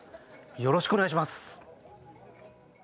よろしくお願いします！